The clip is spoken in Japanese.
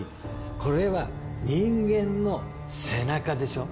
これは人間の背中でしょ。